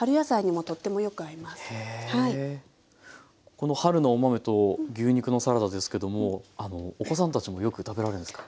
この春のお豆と牛肉のサラダですけどもお子さんたちもよく食べられるんですか？